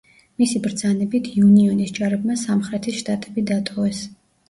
მისი ბრძანებით იუნიონის ჯარებმა სამხრეთის შტატები დატოვეს.